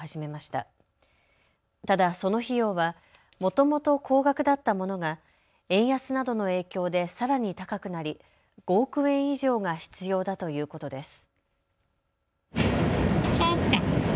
ただその費用はもともと高額だったものが円安などの影響でさらに高くなり５億円以上が必要だということです。